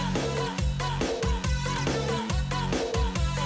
สวัสดีค่ะ